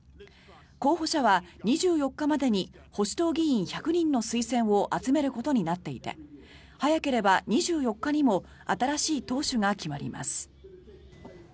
候補者は２４日までに保守党議員１００人の推薦を集めることになっていて早ければ２４日にも新しい党首が決まります。